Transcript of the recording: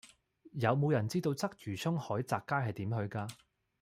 有無人知道鰂魚涌海澤街係點去㗎